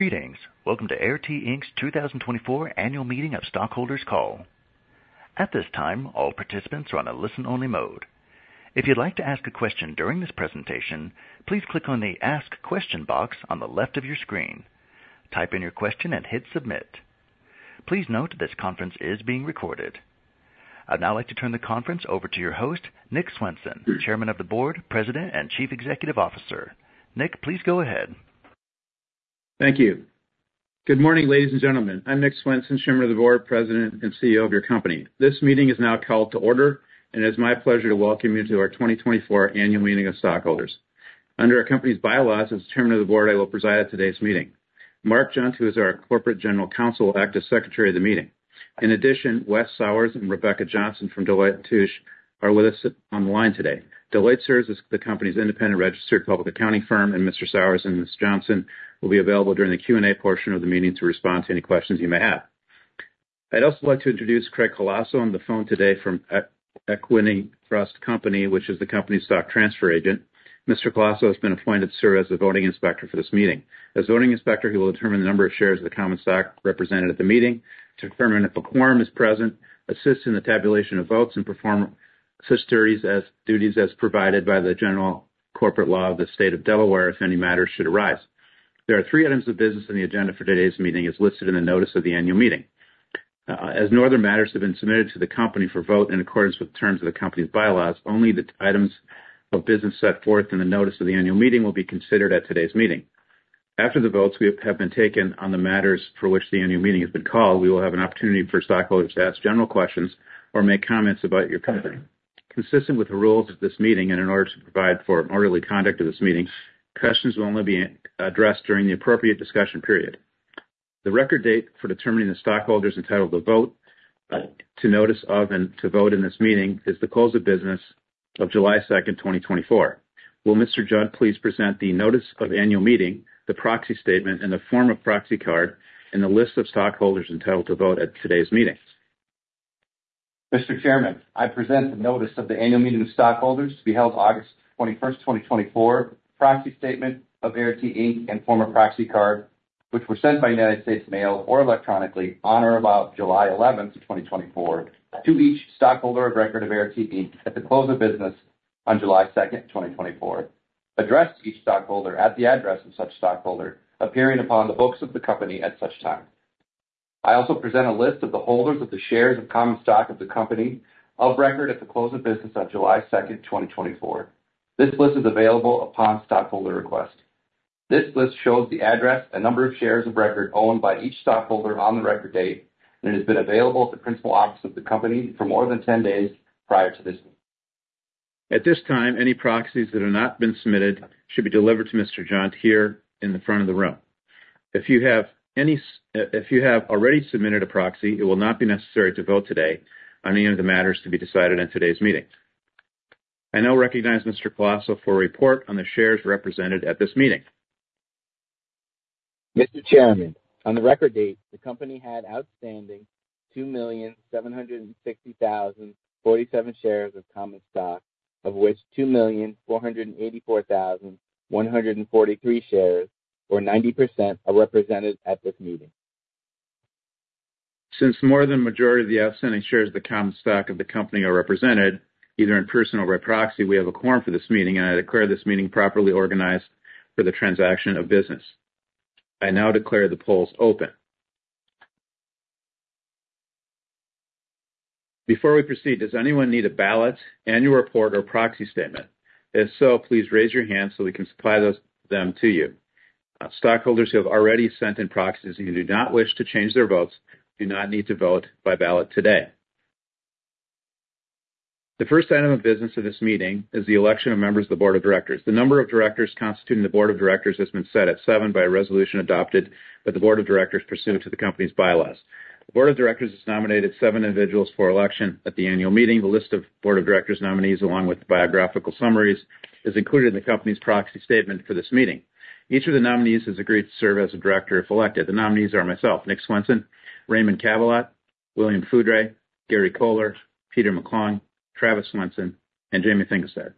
Greetings. Welcome to Air T, Inc.'s 2024 Annual Meeting of Stockholders call. At this time, all participants are on a listen-only mode. If you'd like to ask a question during this presentation, please click on the Ask Question box on the left of your screen. Type in your question and hit Submit. Please note, this conference is being recorded. I'd now like to turn the conference over to your host, Nick Swenson, Chairman of the Board, President, and Chief Executive Officer. Nick, please go ahead. Thank you. Good morning, ladies and gentlemen. I'm Nick Swenson, Chairman of the Board, President, and CEO of your company. This meeting is now called to order, and it's my pleasure to welcome you to our 2024 annual meeting of stockholders. Under our company's bylaws, as Chairman of the Board, I will preside at today's meeting. Mark Jundt, who is our Corporate General Counsel, will act as Secretary of the meeting. In addition, Wes Sowers and Rebecca Johnson from Deloitte & Touche are with us on the line today. Deloitte serves as the company's independent registered public accounting firm, and Mr. Sowers and Ms. Johnson will be available during the Q&A portion of the meeting to respond to any questions you may have. I'd also like to introduce Craig Colosso on the phone today from Equiniti Trust Company, which is the company's stock transfer agent. Mr. Colosso has been appointed to serve as the voting inspector for this meeting. As voting inspector, he will determine the number of shares of the common stock represented at the meeting to determine if a quorum is present, assist in the tabulation of votes, and perform such duties as provided by the general corporate law of the State of Delaware, if any matters should arise. There are three items of business on the agenda for today's meeting, as listed in the notice of the annual meeting. As no other matters have been submitted to the company for vote in accordance with the terms of the company's bylaws, only the items of business set forth in the notice of the annual meeting will be considered at today's meeting. After the votes we have been taken on the matters for which the annual meeting has been called, we will have an opportunity for stockholders to ask general questions or make comments about your company. Consistent with the rules of this meeting and in order to provide for an orderly conduct of this meeting, questions will only be addressed during the appropriate discussion period. The record date for determining the stockholders entitled to vote, to notice of and to vote in this meeting, is the close of business of July second, 2024. Will Mr. Jundt please present the notice of annual meeting, the proxy statement, and the form of proxy card, and the list of stockholders entitled to vote at today's meeting? Mr. Chairman, I present the notice of the annual meeting of stockholders to be held August 21st, 2024, proxy statement of Air T, Inc., and form of proxy card, which was sent by United States Mail or electronically on or about July 11th, 2024, to each stockholder of record of Air T, Inc at the close of business on July second, 2024, addressed to each stockholder at the address of such stockholder appearing upon the books of the company at such time. I also present a list of the holders of the shares of common stock of the company of record at the close of business on July 2nd, 2024. This list is available upon stockholder request. This list shows the address and number of shares of record owned by each stockholder on the record date, and it has been available at the principal office of the company for more than 10 days prior to this. At this time, any proxies that have not been submitted should be delivered to Mr. Jundt here in the front of the room. If you have already submitted a proxy, it will not be necessary to vote today on any of the matters to be decided at today's meeting. I now recognize Mr. Colosso for a report on the shares represented at this meeting. Mr. Chairman, on the record date, the company had outstanding 2,760,047 shares of common stock, of which 2,484,143 shares, or 90%, are represented at this meeting. Since more than majority of the outstanding shares of the common stock of the company are represented, either in person or by proxy, we have a quorum for this meeting, and I declare this meeting properly organized for the transaction of business. I now declare the polls open. Before we proceed, does anyone need a ballot, annual report, or proxy statement? If so, please raise your hand so we can supply them to you. Stockholders who have already sent in proxies and who do not wish to change their votes do not need to vote by ballot today. The first item of business of this meeting is the election of members of the Board of Directors. The number of Directors constituting the Board of Directors has been set at seven by a resolution adopted by the Board of Directors pursuant to the company's bylaws. The Board of Directors has nominated seven individuals for election at the annual meeting. The list of Board of Directors nominees, along with biographical summaries, is included in the company's proxy statement for this meeting. Each of the nominees has agreed to serve as a Director if elected. The nominees are myself, Nick Swenson, Raymond Cabillot, William Foudray, Gary Kohler, Peter McClung, Travis Swenson, and Jamie Thingelstad.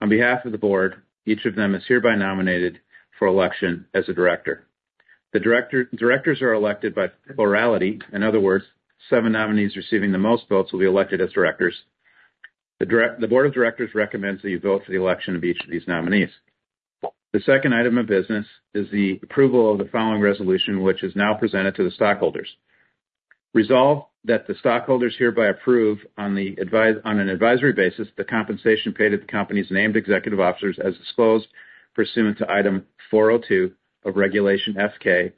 On behalf of the Board, each of them is hereby nominated for election as a Director. The Directors are elected by plurality. In other words, seven nominees receiving the most votes will be elected as Directors. The Board of Directors recommends that you vote for the election of each of these nominees. The second item of business is the approval of the following resolution, which is now presented to the stockholders. Resolve that the stockholders hereby approve, on an advisory basis, the compensation paid to the company's named executive officers as disclosed pursuant to Item 402 of Regulation S-K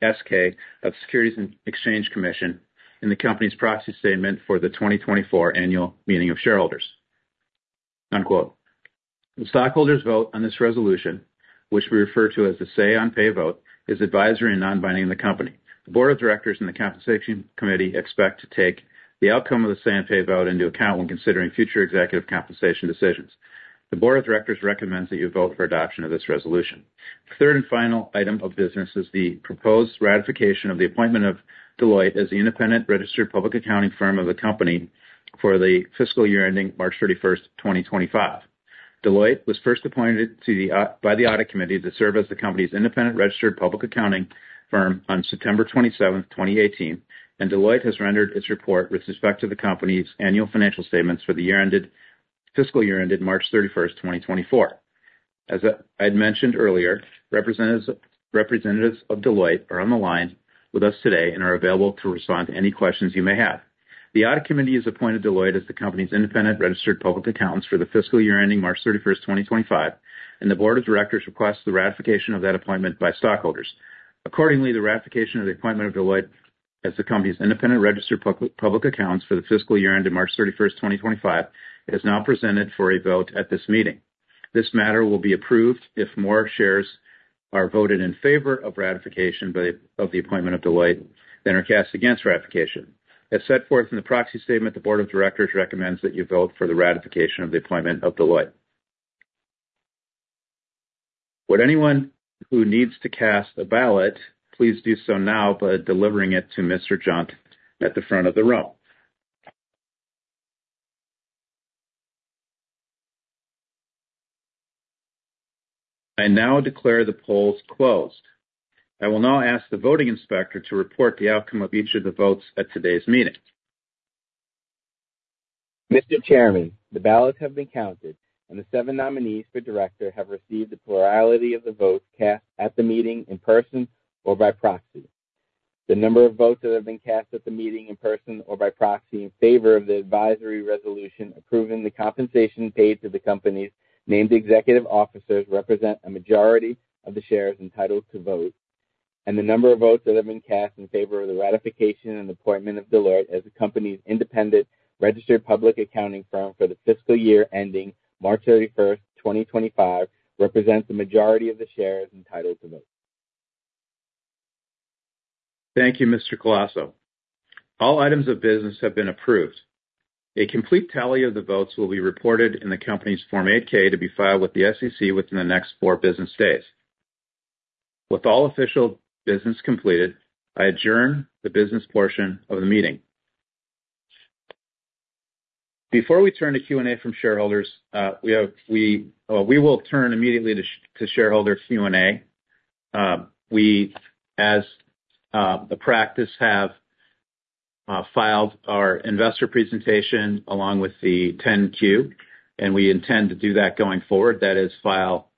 of Securities and Exchange Commission in the company's proxy statement for the 2024 annual meeting of shareholders." Unquote. The stockholders' vote on this resolution, which we refer to as the say-on-pay vote, is advisory and non-binding in the company. The Board of Directors and the Compensation Committee expect to take the outcome of the say-on-pay vote into account when considering future executive compensation decisions. The Board of Directors recommends that you vote for adoption of this resolution. The third and final item of business is the proposed ratification of the appointment of Deloitte as the independent registered public accounting firm of the company for the fiscal year ending March 31st, 2025.... Deloitte was first appointed by the Audit Committee to serve as the company's independent registered public accounting firm on September 27th, 2018, and Deloitte has rendered its report with respect to the company's annual financial statements for the fiscal year ended March 31st, 2024. As I'd mentioned earlier, representatives of Deloitte are on the line with us today and are available to respond to any questions you may have. The Audit Committee has appointed Deloitte as the company's independent registered public accountants for the fiscal year ending March 31st, 2025, and the Board of Directors requests the ratification of that appointment by stockholders. Accordingly, the ratification of the appointment of Deloitte as the company's independent registered public accountants for the fiscal year ended March 31st, 2025, is now presented for a vote at this meeting. This matter will be approved if more shares are voted in favor of ratification of the appointment of Deloitte than are cast against ratification. As set forth in the proxy statement, the Board of Directors recommends that you vote for the ratification of the appointment of Deloitte. Would anyone who needs to cast a ballot, please do so now by delivering it to Mr. Jundt at the front of the room? I now declare the polls closed. I will now ask the voting inspector to report the outcome of each of the votes at today's meeting. Mr. Chairman, the ballots have been counted, and the seven nominees for Director have received the plurality of the votes cast at the meeting, in person or by proxy. The number of votes that have been cast at the meeting, in person or by proxy, in favor of the advisory resolution, approving the compensation paid to the company's named executive officers, represent a majority of the shares entitled to vote, and the number of votes that have been cast in favor of the ratification and appointment of Deloitte as the company's independent registered public accounting firm for the fiscal year ending March 31st, 2025, represents the majority of the shares entitled to vote. Thank you, Mr. Colosso. All items of business have been approved. A complete tally of the votes will be reported in the company's Form 8-K, to be filed with the SEC within the next four business days. With all official business completed, I adjourn the business portion of the meeting. Before we turn to Q&A from shareholders, we will turn immediately to shareholder Q&A. We, as the practice, have filed our investor presentation along with the 10-Q, and we intend to do that going forward. That is, file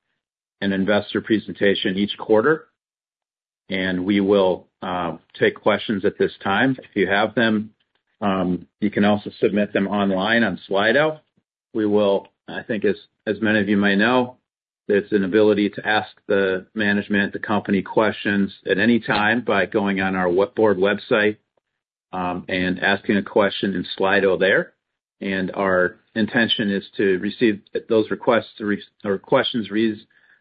an investor presentation each quarter, and we will take questions at this time, if you have them. You can also submit them online on Slido. We will... I think as many of you may know, there's an ability to ask the management, the company questions at any time by going on our website and asking a question in Slido there. And our intention is to receive those requests or questions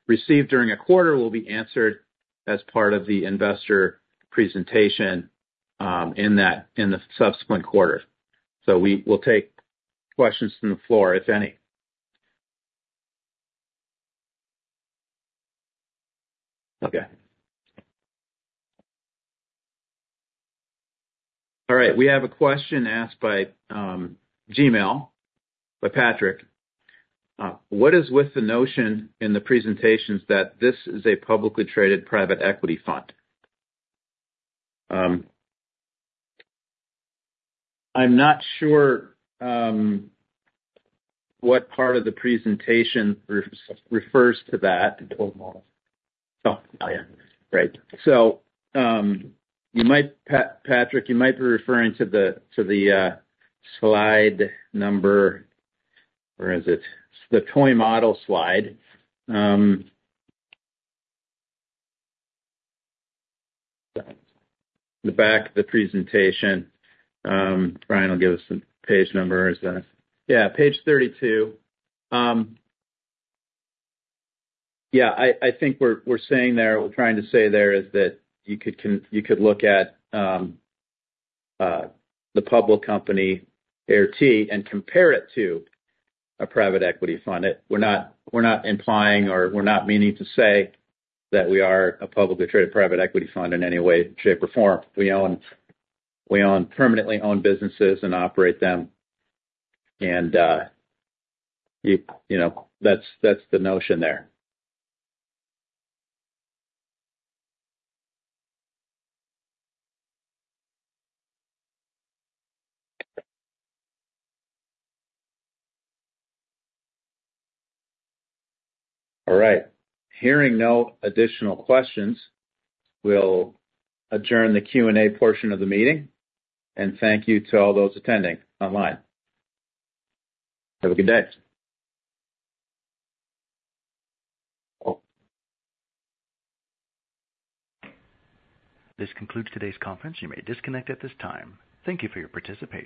received during a quarter, will be answered as part of the investor presentation, in that, in the subsequent quarter. So we will take questions from the floor, if any. Okay. All right, we have a question asked by Gmail by Patrick. What is with the notion in the presentations that this is a publicly traded private equity fund? I'm not sure what part of the presentation refers to that. Oh, yeah. Great. So, you might, Patrick, you might be referring to the, to the, slide number. Where is it? The toy model slide. The back of the presentation. Brian will give us the page number. Is that- Yeah, page 32. Yeah, I think we're saying there. We're trying to say there is that you could look at the public company, Air T, and compare it to a private equity fund. It. We're not implying or meaning to say that we are a publicly traded private equity fund in any way, shape, or form. We permanently own businesses and operate them. And you know, that's the notion there. All right. Hearing no additional questions, we'll adjourn the Q&A portion of the meeting, and thank you to all those attending online. Have a good day. This concludes today's conference. You may disconnect at this time. Thank you for your participation.